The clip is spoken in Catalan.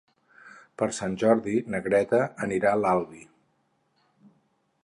Per Sant Jordi na Greta anirà a l'Albi.